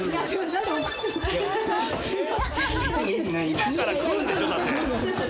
今から食うんでしょだって。